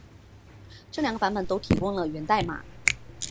这两个版本都提供了源代码。